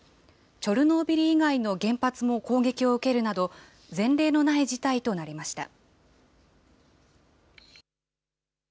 チョルノービリ以外の原発も攻撃を受けるなど、前例のない事態となりました。